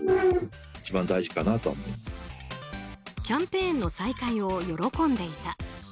キャンペーンの再開を喜んでいた。